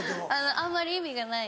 あんまり意味がない。